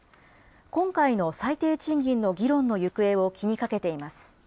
今回の最低賃金の議論の行方を気にかけています。